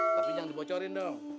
tapi jangan dibocorin dong